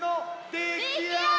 できあがり！